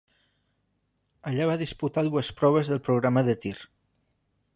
Allà va disputar dues proves del programa de tir.